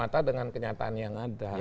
mata dengan kenyataan yang ada